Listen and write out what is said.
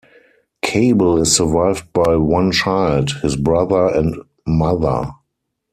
Cable is survived by one child, his brother and mother.